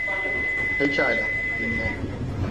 Pekala, dinle.